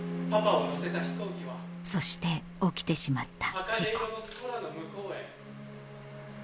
そして起きてしまった事故。